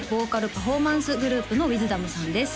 パフォーマンスグループのＷＩＴＨＤＯＭさんです